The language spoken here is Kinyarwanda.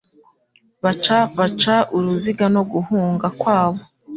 Baca baca uruziga no guhunga kwabo